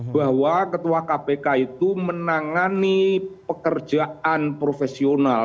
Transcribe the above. bahwa ketua kpk itu menangani pekerjaan profesional